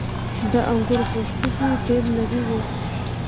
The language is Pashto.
• د انګورو پوستکی ډېر نری وي.